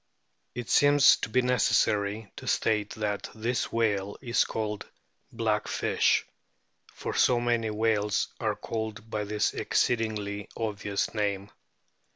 It seems to be unnecessary to state that this whale is called "black fish," for so many whales are called by this exceedingly obvious name.